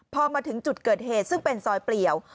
พอมาถึงจุดเกิดเหตุซึ่งเป็นซอยเปลี่ยว